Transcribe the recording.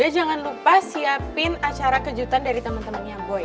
jangan lupa siapin acara kejutan dari temen temennya boy